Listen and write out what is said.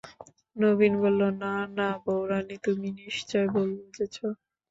নবীন বললে, না না, বউরানী তুমি নিশ্চয় ভুল বুঝেছ।